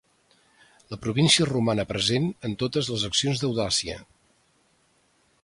La província romana present en totes les accions d'audàcia.